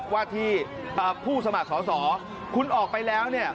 ว่าที่ผู้สมัครสอบคุณออกไปแล้ว